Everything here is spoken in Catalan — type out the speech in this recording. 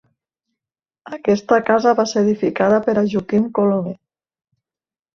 Aquesta casa va ser edificada per a Joaquim Colomer.